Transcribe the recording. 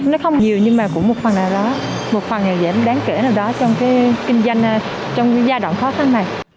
nó không nhiều nhưng mà cũng một phần nào đó một phần nào giảm đáng kể nào đó trong cái kinh doanh trong giai đoạn khó khăn này